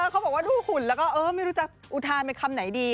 เขาบอกว่าดูหุ่นแล้วก็ไม่รู้จะอุทานไปคำไหนดี